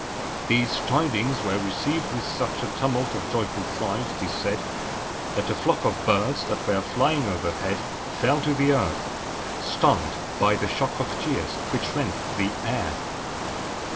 These tidings were received with such a tumult of joyful cries, it is said, that a flock of birds that were flying overhead fell to the earth, stunned by the shock of cheers which rent the air.